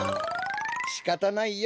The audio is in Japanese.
しかたないよ。